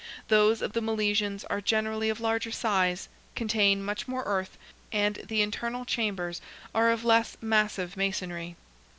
Those of the Milesians are generally of larger size, contain much more earth, and the internal chambers are of less massive masonry.